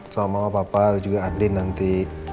sama mama papa dan juga adlin nanti